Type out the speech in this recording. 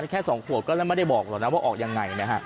แค่สองขวบก็ไม่ได้บอกหรอกนะว่าออกยังไง